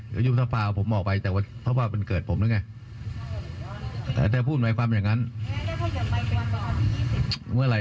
ยึบสภาคออกผมออกไปเพราะว่าบันเกิดผมหรือไง